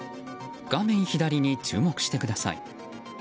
画面左に注目してください。